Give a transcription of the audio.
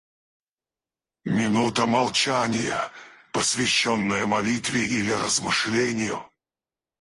Минута молчания, посвященная молитве или размышлению.